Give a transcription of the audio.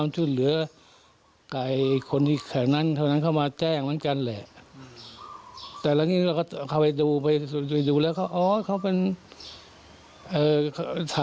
ทีเสียง